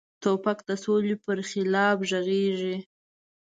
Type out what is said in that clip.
توپک د سولې پر خلاف غږیږي.